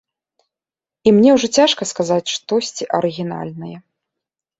І мне ўжо цяжка сказаць штосьці арыгінальнае.